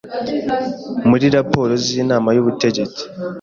muri raporo z Inama y ubutegetsi